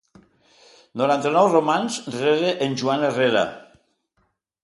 Noranta-nou romans rere en Joan Herrera.